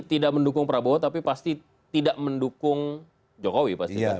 tidak mendukung prabowo tapi pasti tidak mendukung jokowi